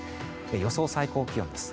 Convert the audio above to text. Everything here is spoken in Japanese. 予想最高気温です。